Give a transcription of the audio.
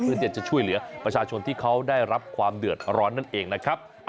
เพื่อที่จะช่วยเหลือประชาชนที่เขาได้รับความเดือดร้อนนั่นเองนะครับ